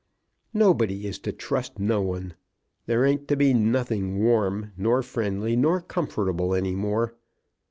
Nobody is to trust no one. There ain't to be nothing warm, nor friendly, nor comfortable any more.